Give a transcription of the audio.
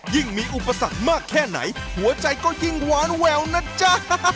ยิ่งมีอุปสรรคมากแค่ไหนหัวใจก็ยิ่งหวานแววนะจ๊ะ